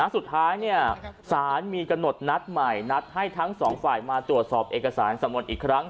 สุดท้ายศาลมีกำหนดนัดใหม่นัดให้ทั้งสองฝ่ายมาตรวจสอบเอกสารสำนวนอีกครั้ง